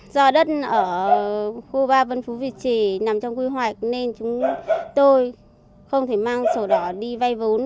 do đất ở khu ba vân phú việt trì nằm trong quy hoạch nên chúng tôi không thể mang sổ đỏ đi vay vốn